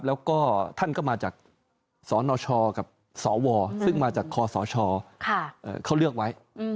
แล้วก็ท่านก็มาจากสนชกับสวซึ่งมาจากคอสชเขาเลือกไว้